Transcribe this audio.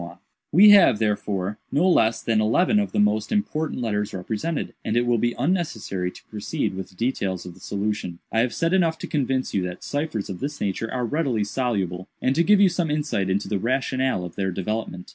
u "We have, therefore, no less than eleven of the most important letters represented, and it will be unnecessary to proceed with the details of the solution. I have said enough to convince you that ciphers of this nature are readily soluble, and to give you some insight into the rationale of their development.